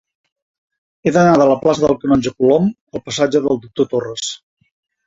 He d'anar de la plaça del Canonge Colom al passatge del Doctor Torres.